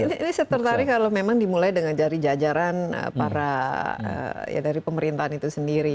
ini saya tertarik kalau memang dimulai dengan jari jajaran para dari pemerintahan itu sendiri